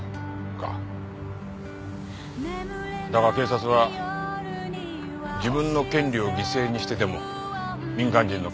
だが警察は自分の権利を犠牲にしてでも民間人の権利を守る。